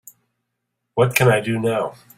what can I do now?